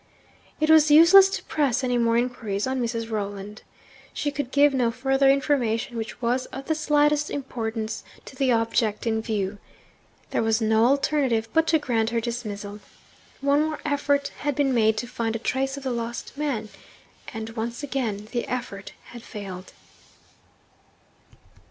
It was useless to press any more inquiries on Mrs. Rolland. She could give no further information which was of the slightest importance to the object in view. There was no alternative but to grant her dismissal. One more effort had been made to find a trace of the lost man, and once again the effort had failed.